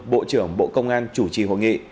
bộ trưởng bộ công an chủ trì hội nghị